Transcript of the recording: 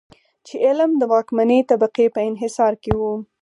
چې علم د واکمنې طبقې په انحصار کې و.